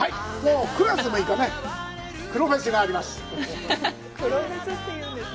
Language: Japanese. ９月６日ね、「黒フェス」があります。